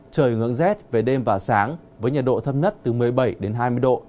trời ngưỡng rét về đêm và sáng với nhiệt độ thấp nhất từ một mươi bảy đến hai mươi độ